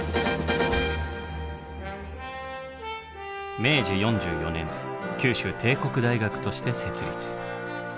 明治４４年九州帝国大学として設立。